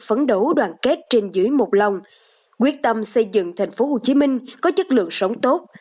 phấn đấu đoàn kết trên dưới một lòng quyết tâm xây dựng thành phố hồ chí minh có chất lượng sống tốt